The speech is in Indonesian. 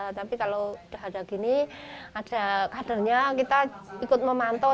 tapi kalau udah ada gini ada kadernya kita ikut memantau